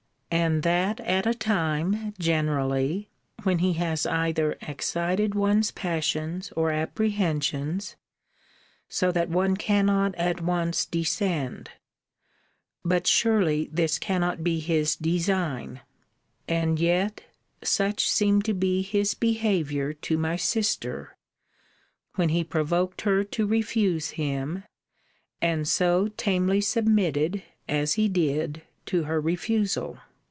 And that at a time, generally, when he has either excited one's passions or apprehensions; so that one cannot at once descend. But surely this cannot be his design. And yet such seemed to be his behaviour to my sister,* when he provoked her to refuse him, and so tamely submitted, as he did, to her refusal.